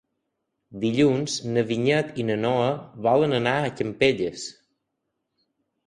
Dilluns na Vinyet i na Noa volen anar a Campelles.